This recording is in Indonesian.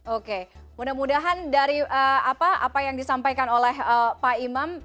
oke mudah mudahan dari apa yang disampaikan oleh pak imam